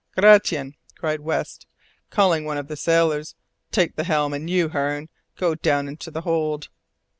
"Gratian," cried West, calling one of the sailors, "take the helm; and you, Hearne, go down into the hold."